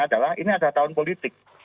adalah ini ada tahun politik